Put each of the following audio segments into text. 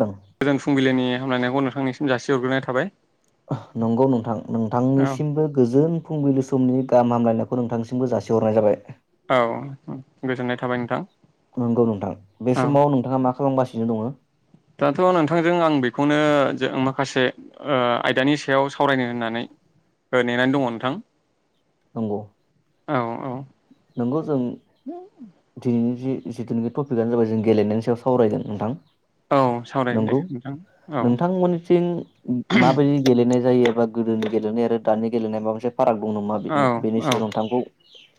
खोनादों गोजोन फुंबिलिनि हामलायनाय थां निसिम जासि हरग्रोनाय थाबाय। नंगौ नोंथां औ नोंथांनिसिमबो गोजोन फुंबिलि समनि गाहाम हामलायनायखौ नोंथांसिमबो जासिहरनाय जाबाय। औ ओ गोजोननाय थाबाय नोंथां। नंगौ नोंथां बे औ समाव नोंथाङा मा खालामगासिनो दङ? दाथ' खासे ओ आयदानि सायाव सावरायनो होननानै ओ नेनानै दङ नोंथां। औ औ। नोंगौ। जों दिनैनि जि जिथुनिखि टपिकानो जाबाय जों गेलेनायनि सायाव सावरायगोन नोंथां। औ सावरायनो दे नंगौ नोंथां औ नोंथांमोननिथिं माबायदि गेलेनाय जायो एबा गोदोनि गेलेनाय आरो दानि गेलेनाय माबा मोनसे फाराग दं नामा? औ बे-बेनि औ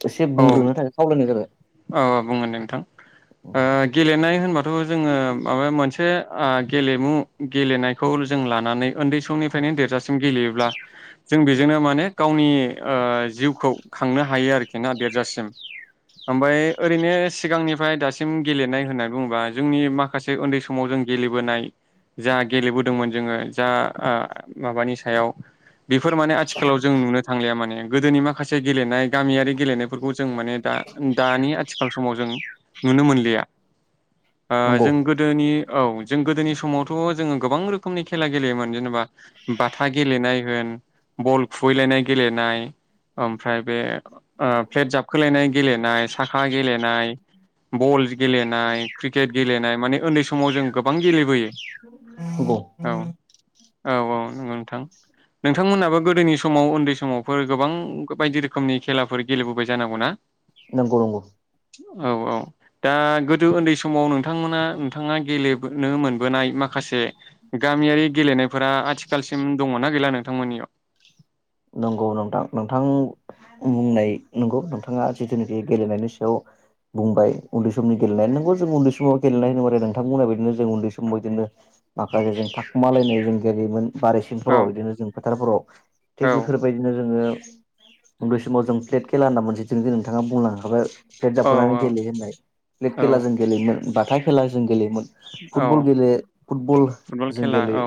[unintelligible] एसे औ बुंग्रोनो थाखाय खावलायनाय जाबाय औ बुंगोन नोंथां ओ गेलेनाय होनबाथ' जोङो माबा मोनसे ओ गेलेमु गेलेनायखौ जों लानानै ओन्दै समनिफ्रायनो देरजासिम गेलेयोब्ला जों बेजोंनो माने गावनि ओ जिउखौ खांनो हायो आरोखि ना देरजासिम ओमफाय ओरैनो सिगांनिफ्राय दासिम गेलेनाय होननानै बुङोबा जोंनि माखासे उन्दै समाव जों गेलेबोनाय जा गेलेबोदोंमोन जोङो जा ओ माबानि सायाव बेफोर माने आथिखालाव जों नुनो थांलिया माने गोदोनि माखासे गेलेनाय गामियारि गेलेनायफोरखौ जों माने दा दानि आथिखाल समाव जों नुनो मोनलिया ओ नंगौ जों गोदोनि औ जों गोदोनि समावथ' जोङो गोबां रोखोमनि खेला गेलेयोमोन जेन'बा बाथा गेलेनाय होन बल खुबैलायनाय गेलेनाय ओमफ्राय बे ओ फ्लेट जाबखोलायनाय गेलेनाय साखा गेलेनाय बल गेलेनाय क्रिकेट गेलेनाय माने उन्दै समाव जों गोबां गेलेबोयो नंगौ औ औ औ नोंगौ नोंथां नोंथांमोनाबो गोदोनि समाव उन्दै समावफोर गोबां बायदि रोखोमनि खेलाफोर गेलेबोबाय जानांगौ ना? नंगौ नंगौ औ औ दा गोदो ओन्दै समाव नोंथांमोना नोंथाङा गेलेबोनो मोनबोनाय माखासे गामियारि गेलेनायफोरा आथिखालसिम दङना गैला नों थांमोननियाव? नंगौ नोंथां नोंथां बुंनाय नंगौ नोंथाङा जिथुनिखि गेलेनायनि सायाव बुंबाय उन्दै समनि गेलेनाय नंगौ जों उन्दै समाव गेलेनाय नुहुरे नोंथां बुंनाय बायदिनो जों उन्दै समाव बिदिनो माखासे जों थाखुमालायनाय जों गेलेयोमोन औ बारिसिंफोराव इदिनो जों फोथारफोराव औ थिग बेफोरबायदिनो जोङो उन्दै समाव जों प्लेट खेला होनना मोनसे जों नोंथाङा बुंलांखाबाय फ्लेट औ जाबखोनानै गेलेयो होननाय फ्लेट औ खेला जों गेलेयोमोन। बाथा खेला जों गेलेयोमोन औ फुटबल गेले फुटबल फुटबल जों खेला गेले औ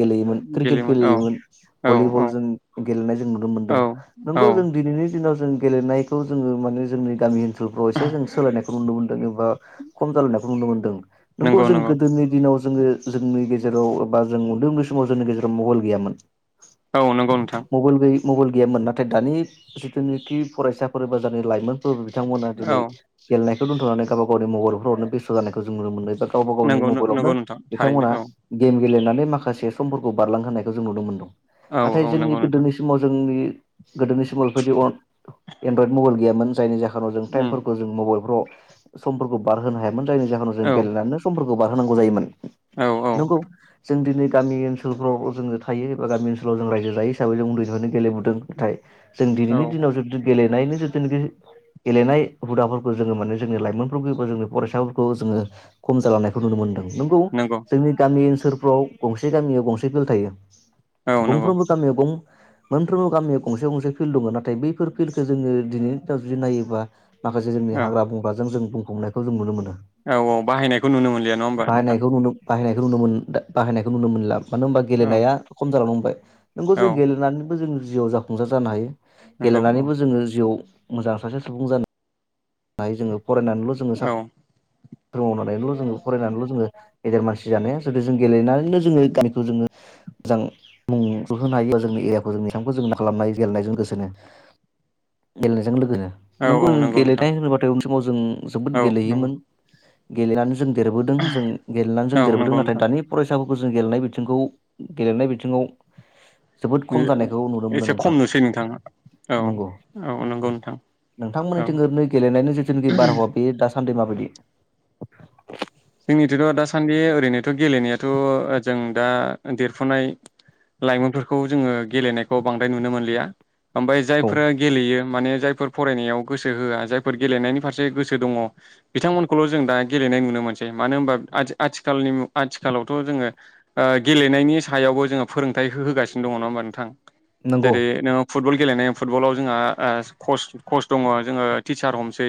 गेलेयोमोन क्रिकेट गेलेयोमोन औ भलिबल औ जों गेलेनाय जों नुनो औ मोनदों औ नोंगौ जों दिनैनि दिनाव जों गेलेनायखौ जोङो माने जोंनि गामि ओनसोलफ्राव एसे जों सोलायनायखौ नुनो मोन्दों एबा खम जालांनायखौ नुनो मोन्दों। नोंगौ नंगौ जों नंगौ गोदोनि दिनाव जोङो जोंनि गेजेराव एबा जों उन्दै उन्दै समाव जोंनि गेजेराव मबाइल गैयामोन औ नंगौ नोंथां मबाइल गैयै मबाइल गैयामोन नाथाय दानि जिथुनिखि फरायसाफोर बा जा नि लाइमोन बिथांमोना दिनै औ गेलेनाय दोनथ'नानै गब गाव मबलफोरावनो बेस्थ' जानायखौनो नुनो मोननाय जादो। गावबा गावनि नंगौ नंगौ मबाइलावनो नोंथां थारैनो बिथांमोना औ गेम गेलेनानै माखासे समफोरखौ बारलांहोनायखौ जों नुनो मोनदों। औ नाथाय औ जोंनि नंगौ नोंथां गोदोनि समाव जोंनि गोदोनि समाव बेफोरबादि अन एनड्रयद मबाइल गैयामोन जायनि जा नाव जों उम टाइमफोरखौ जों मबाइलफ्राव समफोरखौ बारहोनो हायामोन जायनि जाहोनाव जों औ गेलेनानै समफोरखौ खौ बार होनोनांगौ जायोमोन। औ औ नंगौ जों दिनै गामि ओनोलफ्राव जोङो थायो एबा गामि ओनसोल स्ल जों रायजो जायो हिसाबै जों उन्दैनिफ्रायनोे लेलेदों नाथाय जों औ दिनैनि दिनाव जुद जुद गेले गेलेनायनि जि जोन गो गेलेनाय हुदाफोरखौ जोङो माने जोंनि लाइमोनफोरखौबा जोंनि फरायसाफोरखौ जोङो खम जालांनायखौ नुनो मोन्दों। नंगौ जोंनि गामि ओनसोल सोलफ्राव गंसे गामियाव गंसे फिल थायो। औ नंगौ गंफ्रोमबो गामियाव गं मोनफ्रोमबो गामियाव गंसे गंसे फिल्ड दङ नाथाय बैफोर फिल्डखौ जोङो दिनैनिाव जुदि नायोब्ला माखासे जोंनि औ हाग्रा बंग्राजों जों बुं हमनायखौ जों नुनो मोनो औ औ बाहायनायखौ नुनो मोनलिया नङा होमबा नोंथां। बाहायनायखौ नुनो बाहायनायखौ नुनो मोन बाहायनायखौ नुनो मोनला। मानो होनबा औ गेलेनाया खम जानलांनो हम [unintelligible] [unintelligible] बो औ जोंनि जिउआव जाफुंसार जानो हायो। नंगौ औ गेलेनानैबो जोङो जिउआव मोजां सासे सुबुं जानो हायो जोङो फरायनानैल' जोङो सा औ ख्रि मावनानैल' जोङो फरायनानैल' जोङो गेदेर मानसि जानाया जुदि जों गेलेनानैनो जोङो गामिखौ जोङो मोजां मुं ज होनोनो हायो ब जोंनि एरियाखौ जों बिथांखौ जों खालामनो हायो गेलेनायजों लोगोसेनो गेलेनायजों लोगोनो औ नंगौ औ नोंगौ नोंथां। [unintelligible] समाव जों जोबोद औ नंगौ गेलेयोमोन। गेलेनानै जों देरबोदों जों गेलेनानै औ जों देरबोदों नंगौ नाथाय नोंथां दानि फरायसाफो खौ जों गेलेनाय बिथिंखौ गेलेनाय बिथिङाव जोबोद खम ओ जानायखौ नुनो मोनो एसे खम नोंथां नुसै नोंथां औ नंगौ औ नंगौ नोंथां औ। नोंथांमोननिथिं ओरैनो गेलेनायनि जिथुनिखि बारहावा बेयो दास सान्दै माबायदि? जोंनिथिंथ' दासान्दि ओरैनोथ' गेलेनायाथ' जों दा देरफुनाय लाइमोनफोरखौ जोङो गेलेनायखौ बांद्राय नुनो मोनलिया। ओमफाय औ जायफोरा गेलेयो माने जायफोर फरायनायाव गोसो होआ जायफोर गेलेनायनि फारसे गोसो दङ बिथांमोनखौल' जों दा गेलेनाय नुनो मोनसै। मानो होनबा आथि-आथिखालनि आथिखालावथ' जोङो ओ गेलेनायनि सायावबो जोङो फोरोंथाइ होगासिनो दङ नङा होनोमबा नोंथां? नंगौ जेरै नोङो फु फुटबल गेलेनाय फुटबलाव जोंहा ओ कच कच दङ जोङो टिचार हमसै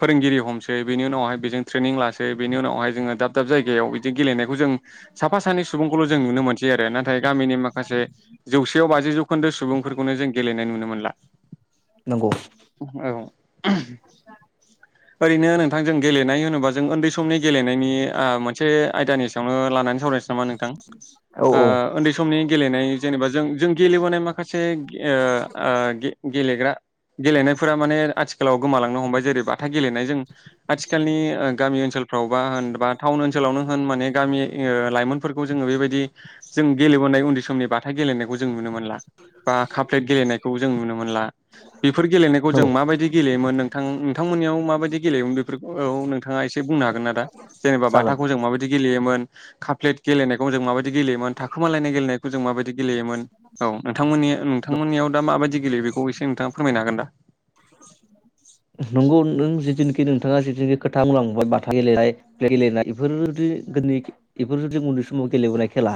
फोरोंगिरि हमसै बेनि उनावहाय बेजों ट्रेनिं लासै बेनि उनावहाय जोङो दाब दाब जायगायाव जों गेलेनायखौ जों साफा सानै सुबुंखौल' जों नुनो मोनसै आरो ना थाय गामनि माखासे जौसेआव बाजि जौखोनो सुबुं जों गेलनाय नुनो मोनला। नंगौ औ। ओरैनो नों बिथां जों गेलेनाय होनोबा जों ओन्दै सम समनि गेलेनायनि ओ मोनसे आयदानि सायावनो लानानै सावराय नामा नोंथां औ ओ औ ओन्दै समनि गेलेनाय जेनेबा जों जों गेलेबोनाय माखासे ओ ओ गेलेग्रा गेलेनायफोरा माने आथिखालाव गोमालांनो हमबाय जेरै बाथा गेलेनाय जों आथिखालनि ओ गामि ओनसोलाव [unintelligible] होनबा टाउन ओनसोलावनो माने गामि लाइमोनफोरखौ जोङो बेबायदि जों गेलेबोनाय उन्दै [unintelligible] बाथा गेलेनायखौ जों नु मोनो बा काप्लेट गेलेनायखौ जों नुनो मोनला बेफोर गेलेनायखौ जों नंगौ माबायदि गेलेयोमोन नोंथां नोंथांमोननियाव माबायदि गेलेयोमोन बेफोरखौ नोंथाङा एसे बुंनो हागोन? जेनेबा जागोन बाथाखौ जों माबायदि गेलेयो गेलोमोन काप्लेट गेलेनाय जों माबायदि गेलयोमोन थाखोमालाय गेलेनायखौ जों माबाय गेलेमोन औ नोंथांमोननि- नोंथांमोननियाव दा माबायदि गेलेयो बेखौ एसे नोंथाङा फोरमायनो हागोन दा नंगौ नों जिनिखि दि‌ नोंथाङा जिखिनि खोथा बुंलांबाय बाथा गेलेनाय- गेलेनाय इफोर दो गोदनि बेफोर जों उन्दै समाव गेलेबोनाय खेला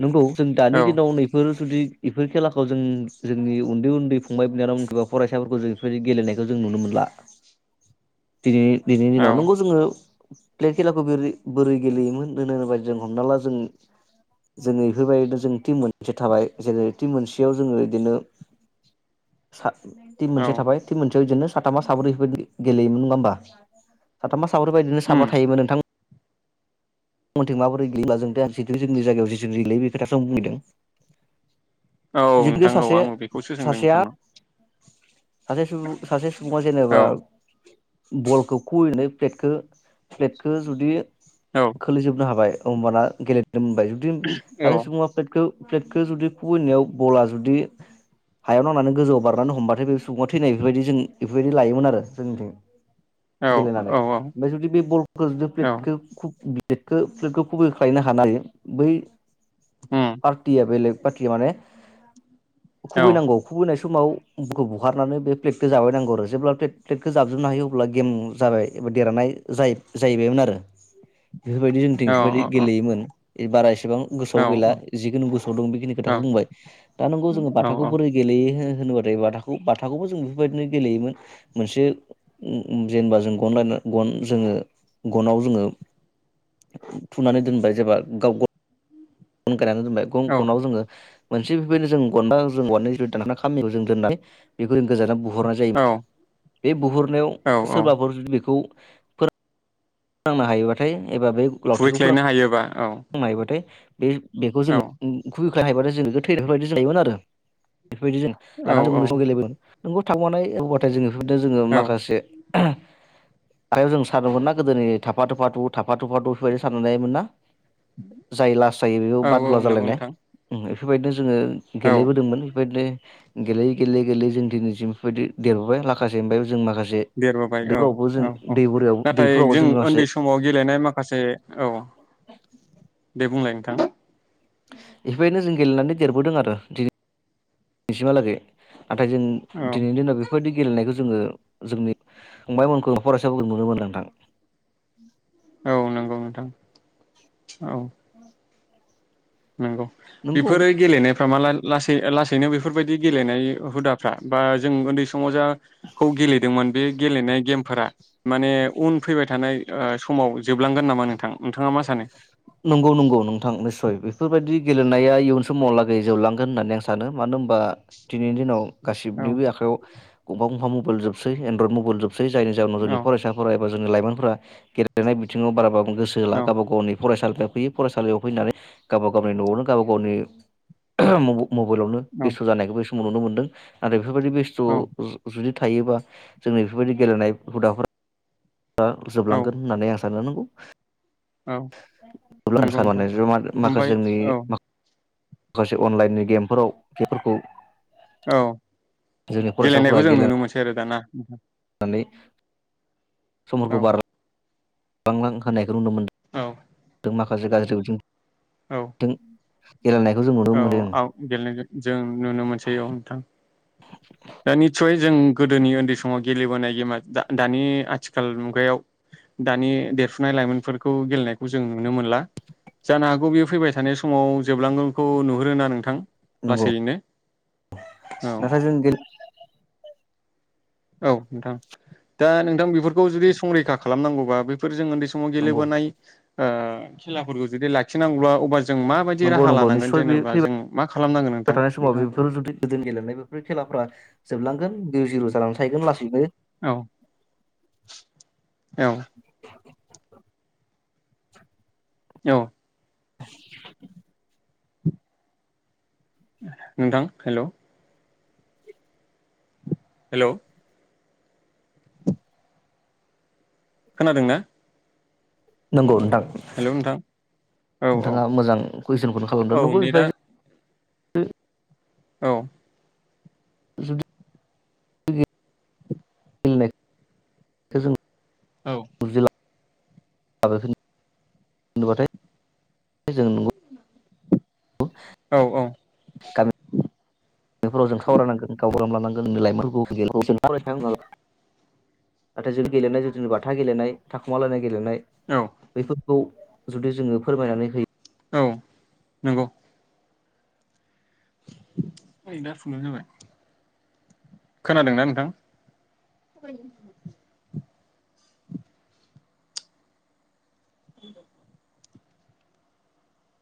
नंगौ जों दानि औ दिनाव नैफोर जुदि इफोर खेलाखौ जों जोंनि उन्दै उन्दै फंबाय बिनानावमोनखौ‌ बा फरायसाफोरखौ जों इफोर बायदि गेलेनायखौ जों नुनो मोनला ।दिनै दिनैनि औ दिनाव नंगौ जोङो प्ले खेलाखौ बोरै बोरै गेलेयोमोन होन‌ होनोबा जों हमना ला जों जों इफोरबायदिनो जों टिम मोनसे थाबाय जेरै टिम मोनसेयाव जोङो इदिनो सा टिम औ मोनसे थाबाय जोलजोनो साथामा साब्रै बेफोर बायदि गेलेयोमोन नङा होमबा साथामा फाफोरबायदिनो उम साबा थायोमोन नोंथां मोननिथिं माबोरै [unintelligible] जोंनि जायगायाव [unintelligible] बे खोथाखौ आं [unintelligible] औ जिथुखे नोंथां औ सासे आं बेखौसो सोंदों सासेया नोंथांनाव सासे सुबुं सासे सुबुङा जेनेबा औ बलखौ [unintelligible] प्लेटखो जुदि औ जोबनो हाबाय होमबाना गेले होमबाय जुदि औ सासे सुबुंङा प्लेतखो प्लेटखो जुदि खुुबैनायाव बला जुदि हायाव नांनानै गोजौआव बारनानै हमबाथाय बे सुबुङा थैनाय बेफोरबायदि जों बेफोरबायदि लायोमोन आरो जोंनिथिं औ गेलेनानै औ ओमफाय जुदि बे बलखो जुदि औ प्लेटखो खुब बि [unintelligible] प्लेतखो खुबैख्लायनो हानाय बै उम पार्टिया बेलेग पार्टिया माने औ खुबैनांगौ खुबैनायस' समाव [unintelligible] बुखारनानै बे प्लेटखो जाबायनांगौ आरो जेब्ला प्लेत प्लेटखो जाबजोबनो हायो अब्ला गेम जाबाय एबा देरहानाय जाय-जाहैबायमोन आरो बेफोरबायदि जोंथिं औ बेफोरबायदि औ गेलेयोमोन एबाराय सेबां औ गोसोआव गैला जिखुनु गोसोआव दं बेखिनि औ खोथाखौ बुंबाय दा नंगौ जोङो बाथाखौ बोरै गेलेयो हो होनोबाथाय बाथाखौ-बाथाखौबो जों बेफोरबायदिनो गेलेयोमोन मोनसे उम उम जेनेबा जों गन लाना गन जोङो गनाव जोङो फुनानै दोनबाय जेबा गाव ग' गायनानै दोनबाय गं औ खनाव जोङो मोनसे बेफोरबायदिनो जों गना जों औवानि [unintelligible] दाननानै खामि जों दोननाय बे [unintelligible] गोजानाव बुहरनाय जायो बे बुहरनायाव औ औ सोरबाफोर जुदि बेखौ नांनो हायोबाथाय खुबैख्लायनो हायोबा औ मायबाथाय बे-बेखौ औ जोङो [unintelligible] [unintelligible] बेफोरबायदि जों लानानै उन्दै सम औ गेलेबोदों। नोंगौ [unintelligible] जोङो [unintelligible] जोङो औ माखासे आरो जों सानोमोनना गोदोनि थाफा थुफा थु थाफा थुफा थु फोरबायदि साननायमोन ना? जाय लास जायो औ [unintelligible] औ बादुवा नंगौ जालायनाय नोंथां फोरबायदि जोङो औ गेलेबोदोंमोन इबायदिनो। गेलेयै गेलेयै गेलेयै जों दिनैसिम इफोरबायदि देरबोबाय लाखासे ओमफाय जों माखासे देरबोबाय औ दैफोरावबो जों औ औ दै बोरायाव नाथाय दैफोरावबो जों माखासे उन्दै समाव गेलेनाय माखासे औ। दे बुंलाय नोंथां। इफोरबायनो जों गेलेनानै देरबोदों आरो दिनै [inaudible] सिमहालागै। नाथाय जों औ दिनैनि दिनाव बेफोरबायदि गेलेनायखौ जोङो जोंनि फंबायमोनखौ फरायसाफोरखौ नुनो मोनला नोंथां। औ नंगौ नोंथां। औ नंगौ नंगौ बेफोरो गेलेनायफ्रा माला लासै लासैनो बेफोरबायदि गेलेनाय हुदाफ्रा बा जों उन्दै समावजा खौ गेलेदोंमोन बे गेलेनाय गेमफोरा माने उन फैबाय थानाय ओ समाव जोबलांगोन नामा नोंथां नोंथाङा मा सानो? नंगौ नंगौ नोंथां निस्सय बेफोरबायदि गेलेनाया इयुन समावहालागै जोबलांगोन होननानै आं सानो मानो होनबा दिनैनि दिनाव औ गासिबनिबो आखायाव [unintelligible] मबाइल जोबसै एन्ड्रइड मबइल जोब सै जानि जाउनाव जोंनि औ फरायसा फराय बा जोंनि लाइमोनफोरा गेलेनाय बिथिंआव बारा बा गोसो होला औ गाबा गावनि फरायसालि [unintelligible] फैयो फरायसालियाव फैनानै गावबा गावनि न'आवनो गावबा गावनि मबाइलावनो औ बेस्थ' जानायखौबो नुनो मोनदों आरो बेफोरबादि बेस्थ' औ जु-जुदि थायोबा जोंनि बेफोबादि गेलेनाय हुदाफोर ओ औ जोबलांगोन होननानै आं औ नंगौ नोंथां [unintelligible] ओमफ्राय औ [unintelligible] खासे अनलाइननि गेमफोराव बेफोरखौ औ जोंनि फरायसाफोरा गेलेनायखौ जों नुनो मोनसै आरो दाना। [unintelligible] नै समुरखौ औ बार बांलां होनायखौ नुनो मोनो। औ। माखासे गाज्रि बिथिं औ। गेलेनायखौ जों नुनो औ मोनदों आ गेलेनाय जों नुनो मोनसै औ नोंथां। दा निस्सय जों गोदोनि ओन्दै समाव गेलेबोनाय गेमा दा-दानि आथिखाल मुगायाव दानि देरफुनाय लाइमोनफोरखौ गेलेनाय खौ जों नुनो मोनला। जानो हागौ बेयो फैबाय थानाय समाव जोबलांगोनखौ नुहुरो ना नोंथा? नंगौ लासैनो ।औ। नाथाय जों गेले औ नोंथां। दा नोंथां बेफोरखौ जुदि संरैखा खालामनांगौबा बैफोरजों उन्दै समाव नंगौ गेलेबोनाय ओ खेलाफोरखौ जुदि लाखिनांगौब्ला अबा जों माबायदि नंगौ राहा नंगौ लानांगोन निस्सय बे जेनेबा जों मा खालामनांगोन फैबाय नोंथां [inaudible] थानाय समाव बेफोर जुदि गोदो गेलेनाय बेफोर खेलाफ्रा जोबलांगोन बिउ जिर' जानानै थाहगोन लासैनो औ औ। औ। नोंथां हेल' हेल' खोनादों ना? नोंगौ नोंथां। औ औ नोंथाङा मोजां कुइसनखौनो खालामदों। औ नंगौ बेफो नेटआ बायदिनो ओ। औ। जुदि मिनिनाय [inaudible] खो जों औ। [unintelligible] औ औ। [unintelligible] बेैफोरखौ औ जुदि जोङो फोरमायनानै होयो औ नंगौ। [inaudible] खोनादोंना नोंथां? [unintelligible]